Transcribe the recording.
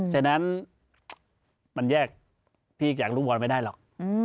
ฉะนั้นมันแยกพี่อีกอย่างรุ่นบอลไม่ได้หรอก